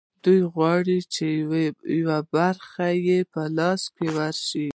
دوی غواړي چې یوه برخه یې په لاس ورشي